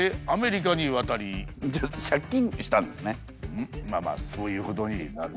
そのあとまあまあそういうことになる。